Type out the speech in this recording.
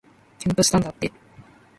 きゅんとしたんだって